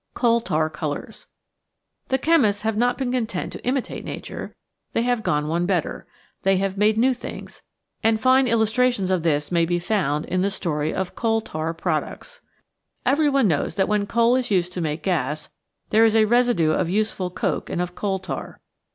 Coal tar Colours The chemists have not been content to imitate Nature, they have gone one better they have made new things, and fine illus trations of this may be found in the story of coal tar products. Everyone knows that when coal is used to make gas, there is a residue of useful coke and of coal tar.